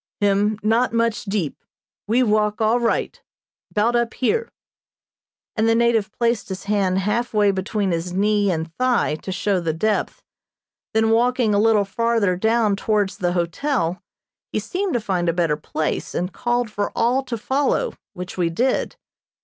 "Him not much deep. We walk all right, 'bout up here," and the native placed his hand half way between his knee and thigh to show the depth, then walking a little farther down towards the hotel he seemed to find a better place, and called for all to follow, which we did.